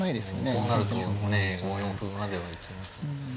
こうなると５四歩までは行きますよね。